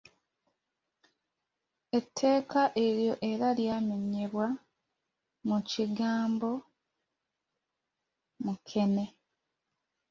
Etteeka eryo era lyamenyebwa mu kigambo ‘mukeene.’